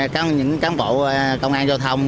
các bộ công an giao thông